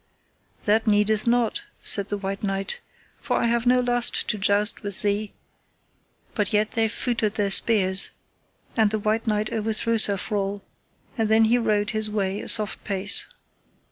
That needeth not, said the White Knight, for I have no lust to joust with thee; but yet they feutred their spears, and the White Knight overthrew Sir Frol, and then he rode his way a soft pace.